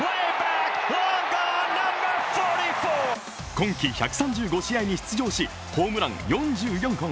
今季１３５試合に出場し、ホームラン４４本。